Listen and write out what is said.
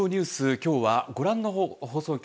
きょうはご覧の放送局